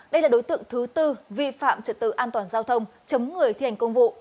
và thứ tư vi phạm trật tự an toàn giao thông chấm người thi hành công vụ